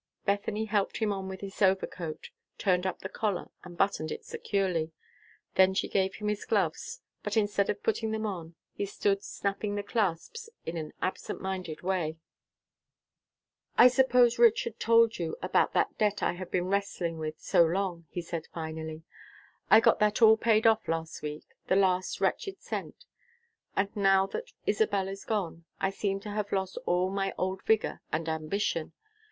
Bethany helped him on with his overcoat, turned up the collar, and buttoned it securely. Then she gave him his gloves; but instead of putting them on, he stood snapping the clasps in an absent minded way. "I suppose Richard told you about that debt I have been wrestling with so long," he said, finally. "I got that all paid off last week, the last wretched cent. And now that Isabel is gone, I seem to have lost all my old vigor and ambition.